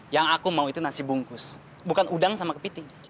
yang aku mau itu nasi bungkus bukan udang sama kepiting